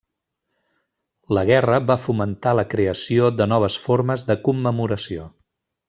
La guerra va fomentar la creació de noves formes de commemoració.